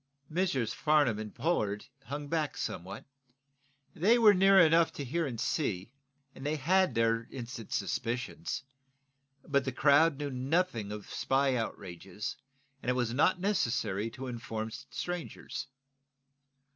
Messrs. Farnum and Pollard hung back somewhat. They were near enough to hear and see, and they had their instant suspicions. But the crowd knew nothing of the spy outrages, and it was not necessary to inform strangers.